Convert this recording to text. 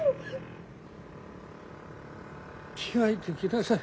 着替えてきなさい。